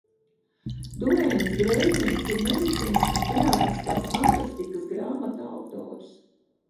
Dueins Greivlins ir medicīnas un zinātniskās fantastikas grāmatu autors.